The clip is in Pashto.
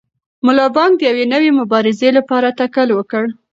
ملا بانګ د یوې نوې مبارزې لپاره تکل وکړ.